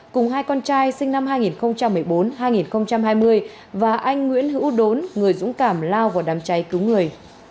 cùng hai con trai sinh năm hai nghìn một mươi bốn hai nghìn hai mươi và anh nguyễn hữu đốn người dũng cảm lao vào đám cháy cứu người